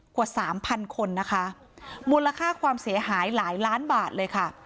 กว่าสามพันคนนะคะมูลค่าความเสียหายหลายล้านบาทเลยค่ะ